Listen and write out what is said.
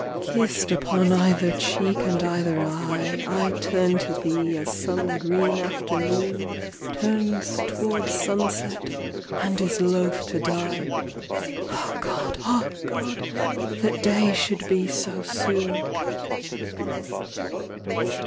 Kissed upon either cheek and either eye, I turn to thee as some green afternoon Turns toward sunset, and is loth to die; Ah God, ah God, that day should be so soon.